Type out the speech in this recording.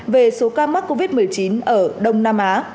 về số ca mắc covid một mươi chín ở đông nam á